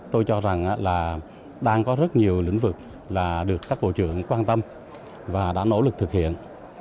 tôi cho rằng là đang có rất nhiều lĩnh vực là được các bộ trưởng quan tâm và đã nỗ lực thực hiện